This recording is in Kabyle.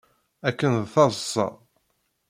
Akken d taḍsa.